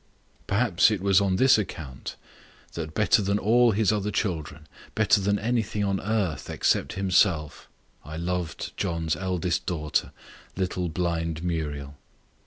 Perhaps it was on this account that better than all his other children, better than anything on earth except himself, I loved John's eldest daughter, little blind Muriel.